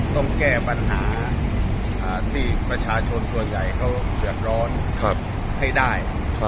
ต้องแก้ปัญหาที่ประชาชนส่วนใหญ่เขาเดือดร้อนให้ได้